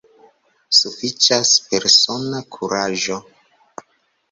Sufiĉas persona kuraĝo.